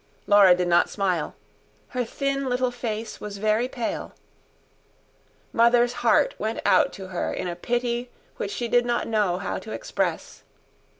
Laura did not smile; her thin little face was very pale. Mother's heart went out to her in a pity which she did not know how to express.